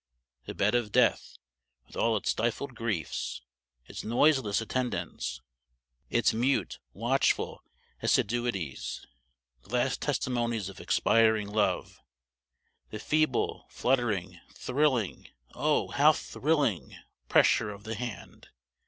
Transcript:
The bed of death, with all its stifled griefs its noiseless attendance its mute, watchful assiduities. The last testimonies of expiring love! The feeble, fluttering, thrilling oh, how thrilling! pressure of the hand!